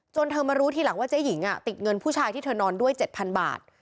เธอมารู้ทีหลังว่าเจ๊หญิงติดเงินผู้ชายที่เธอนอนด้วย๗๐๐บาท